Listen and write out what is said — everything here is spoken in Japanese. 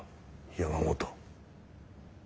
山本。